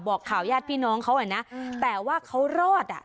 บอกข่าวญาติพี่น้องเขาอ่ะนะแต่ว่าเขารอดอ่ะ